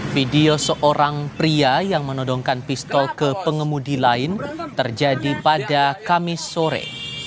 video seorang pria yang menodongkan pistol ke pengemudi lain terjadi pada kamis sore